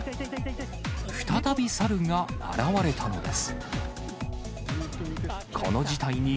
再び猿が現れたのです。